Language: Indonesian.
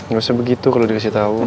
gak usah begitu kalo dikasih tau